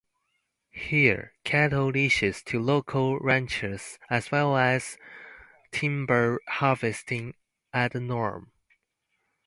Here, cattle leases to local ranchers as well as timber harvesting are the norm.